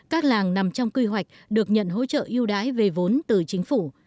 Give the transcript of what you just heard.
các làng nằm trong quy hoạch được nhận hỗ trợ ưu đãi về vốn từ chính phủ